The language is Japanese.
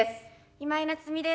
今井菜津美です。